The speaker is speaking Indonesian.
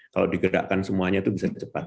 kalau digerakkan semuanya itu bisa cepat